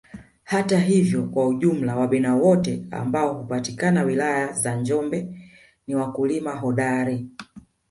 Hata hivyo kwa ujumla Wabena wote ambao hupatikana wilaya za Njombe ni wakulima hodari